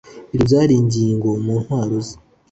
ibyo byari ingingo mu ntwaro ze.